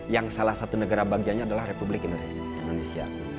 yang salah satu negara bagiannya adalah republik indonesia